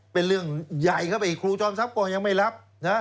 เป็นเรื่องใหญ่เข้าไปอีกครูจอมทรัพย์ก็ยังไม่รับนะฮะ